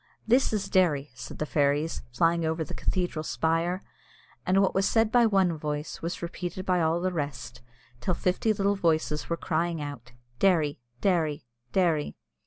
"This is Derry," said the fairies, flying over the cathedral spire; and what was said by one voice was repeated by all the rest, till fifty little voices were crying out, "Derry! Derry! Derry!"